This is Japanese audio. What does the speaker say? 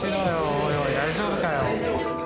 おいおい大丈夫かよ」。